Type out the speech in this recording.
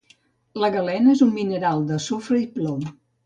La galena és un mineral de sofre i plom.